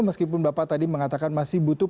meskipun bapak tadi mengatakan masih butuh